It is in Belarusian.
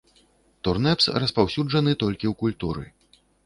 Турнэпс распаўсюджаны толькі ў культуры.